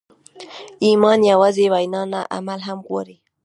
ایمان یوازې وینا نه، عمل هم غواړي.